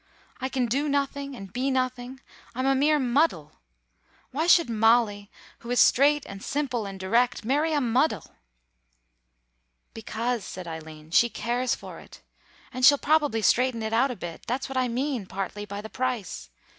I can do nothing, and be nothing. I am a mere muddle. Why should Molly, who is straight and simple and direct, marry a muddle?" "Because," said Eileen, "she cares for it. And she'll probably straighten it out a bit; that's what I mean, partly, by the price